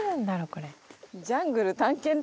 これ」